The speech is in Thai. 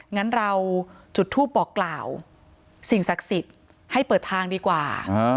งั้นเราจุดทูปบอกกล่าวสิ่งศักดิ์สิทธิ์ให้เปิดทางดีกว่า